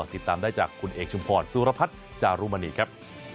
ติดตามได้จากคุณเอกชุมพรสุรพัฒน์จารุมณีครับ